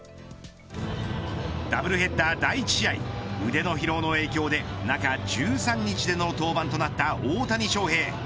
ダブルヘッダー第１試合腕の疲労の影響で、中１３日での登板となった大谷翔平